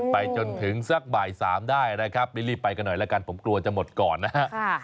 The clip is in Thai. ไปจนถึงสักบ่าย๓ได้นะครับรีบไปกันหน่อยแล้วกันผมกลัวจะหมดก่อนนะฮะ